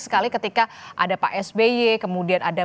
sekali ketika ada pak sby kemudian ada